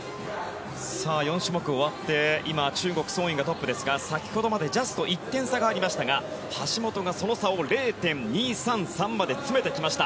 ４種目終わって、今中国のソン・イがトップですが先ほどまでジャスト１点差がありましたが橋本がその差を０．２３３まで詰めてきました。